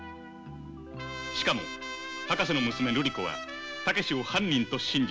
しかも博士の娘ルリ子は猛を犯人と信じている。